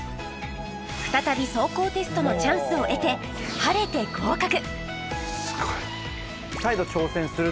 再び走行テストのチャンスを得て晴れて合格